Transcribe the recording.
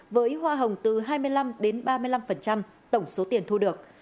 với hoa hồng từ hai mươi năm đến ba mươi năm tổng số tiền thu được